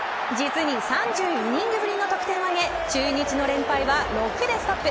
実に３２イニングぶりの得点を挙げ中日の連敗は６でストップ。